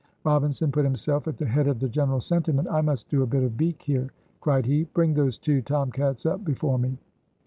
Robinson put himself at the head of the general sentiment. "I must do a bit of beak here!!!" cried he; "bring those two tom cats up before me!!"